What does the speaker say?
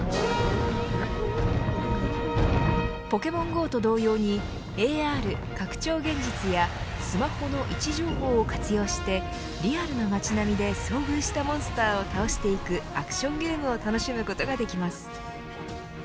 ポケモンＧＯと同様にＡＲ拡張現実やスマホの位置情報を活用してリアルな街並みで遭遇したモンスターを倒していくアクションゲームを楽しむことができます。